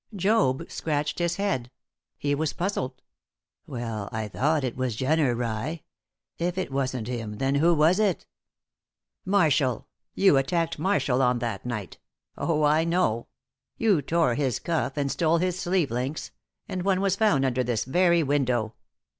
Job scratched his head; he was puzzled. "Well, I thought it was Jenner, rye; if it wasn't him, then who was it?" "Marshall you attacked Marshall on that night. Oh, I know! You tore his cuff and stole his sleeve links; and one was found under this very window.